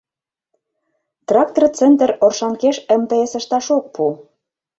— Трактороцентр Оршанкеш МТС ышташ ок пу.